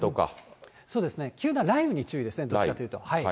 そうですね、急な雷雨に注意ですね、どっちかというと。